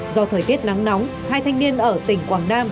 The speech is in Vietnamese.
do thời tiết nắng nóng hai thanh niên ở tỉnh quảng nam